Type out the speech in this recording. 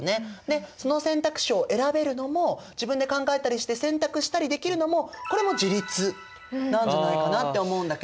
でその選択肢を選べるのも自分で考えたりして選択したりできるのもこれも自立なんじゃないかなって思うんだけど。